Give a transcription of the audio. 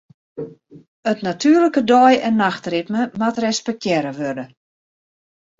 It natuerlike dei- en nachtritme moat respektearre wurde.